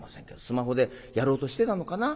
スマホでやろうとしてたのかな？